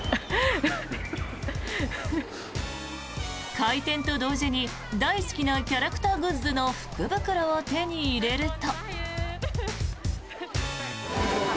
開店と同時に大好きなキャラクターグッズの福袋を手に入れると。